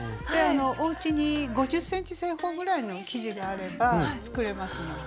おうちに５０ｃｍ正方ぐらいの生地があれば作れますので。